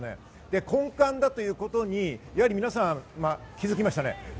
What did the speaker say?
根幹だということに皆さん気づきました。